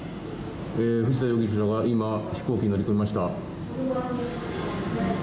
藤田容疑者が今飛行機に乗り込みました。